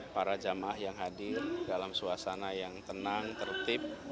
para jamaah yang hadir dalam suasana yang tenang tertib